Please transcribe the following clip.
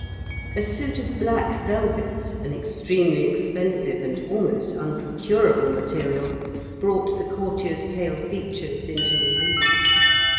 A suit of black velvet, an extremely expensive and almost unprocurable material, brought the courtier's pale features into relief.